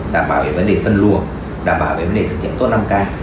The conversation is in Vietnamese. đảm bảo về vấn đề phân luồng đảm bảo về vấn đề thực hiện tốt năm k